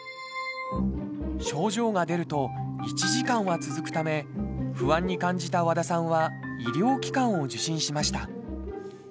症状が出ると１時間は続くため不安に感じた和田さんは医療機関を受診しました。